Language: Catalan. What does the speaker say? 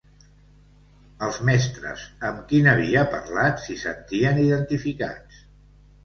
Els mestres amb qui n'havia parlat s'hi sentien identificats.